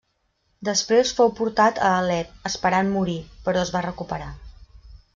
Després fou portat a Alep, esperant morir, però es va recuperar.